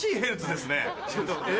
え？